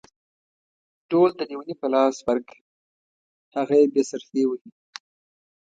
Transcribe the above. ډول د ليوني په لاس ورکه ، هغه يې بې صرفي وهي.